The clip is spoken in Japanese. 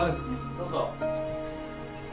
どうぞ。